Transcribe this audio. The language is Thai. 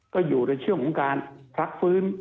ก็อยู่ในช่วงของการพักฟื้น